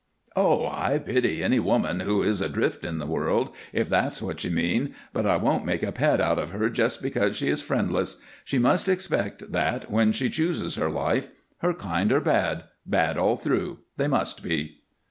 "Oh, I pity any woman who is adrift on the world, if that's what you mean, but I won't make a pet out of her just because she is friendless. She must expect that when she chooses her life. Her kind are bad bad all through. They must be."